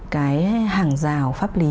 cái hàng rào pháp lý